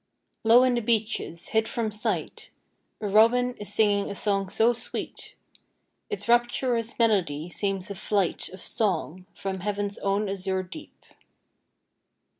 Low in the beeches, hid from sight, A robin is singing a song so sweet, Its rapturous melody seems a flight Of song from Heaven's own azure deep.